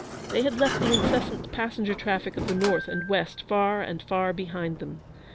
They had left the incessant passenger traffic of the north and west far and far behind them.